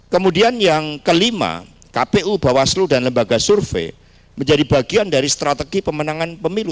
kemudian yang kelima kpu bawaslu dan lembaga survei menjadi bagian dari strategi pemenangan pemilu